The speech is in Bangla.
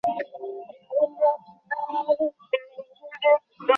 আমার নাম মুগ্ধা!